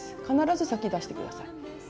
必ず先を出して下さい。